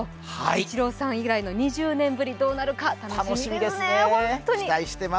イチローさん以来の２０年ぶりとなるか楽しみですね。